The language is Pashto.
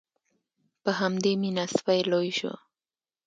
په همدې مینه سپی لوی شو.